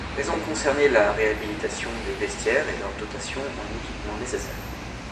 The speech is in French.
Elles ont concerné la réhabilitation des vestiaires et leur dotation en équipements nécessaires.